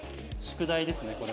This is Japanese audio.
宿題ですね。